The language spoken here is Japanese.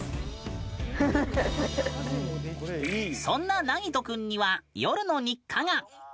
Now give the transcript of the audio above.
そんな、なぎと君には夜の日課が。